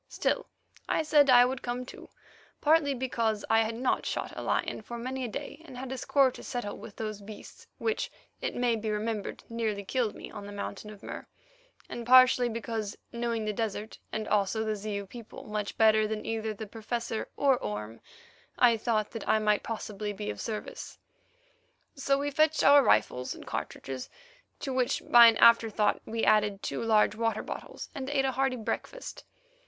Still, I said I would come too, partly because I had not shot a lion for many a day and had a score to settle with those beasts which, it may be remembered, nearly killed me on the Mountain of Mur, and partly because, knowing the desert and also the Zeu people much better than either the Professor or Orme, I thought that I might possibly be of service. So we fetched our rifles and cartridges, to which by an afterthought we added two large water bottles, and ate a hearty breakfast.